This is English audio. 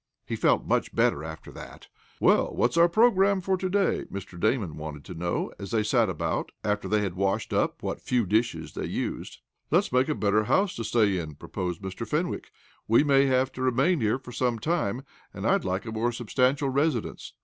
He felt much better after that. "Well, what's our program for to day?" Mr. Damon wanted to know, as they sat about, after they had washed up what few dishes they used. "Let's make a better house to stay in," proposed Mr. Fenwick. "We may have to remain here for some time, and I'd like a more substantial residence."